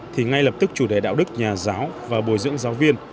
thì ngay lập tức chủ đề đạo đức nhà giáo và bồi dưỡng giáo viên